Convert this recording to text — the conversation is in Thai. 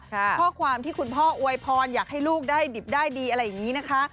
ข้อความที่คุณพ่ออวยพรอยากให้ลูกได้ดิบได้ดีอะไรอย่างนี้นะคะ